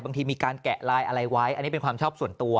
บางทีมีการแกะลายอะไรไว้อันนี้เป็นความชอบส่วนตัว